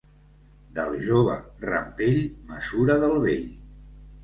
Del jove, rampell; mesura, del vell.